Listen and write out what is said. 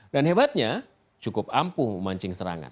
dan hebatnya cukup ampuh mancing serangan